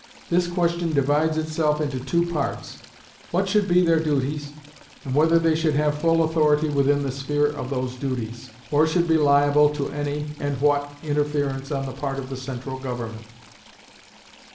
This question divides itself into two parts: what should be their duties, and whether they should have full authority within the sphere of those duties, or should be liable to any, and what, interference on the part of the central government.